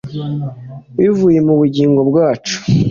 bivuye mu bugingo bwacu